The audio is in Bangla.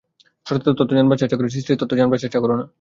স্রষ্টার তত্ত্ব জানবার চেষ্টা কর, সৃষ্টের তত্ত্ব জানবার চেষ্টা কর না।